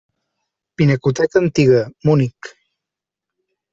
Pinacoteca Antiga, Munic.